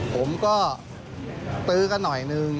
ผมก็ตื้อกันหน่อยนึง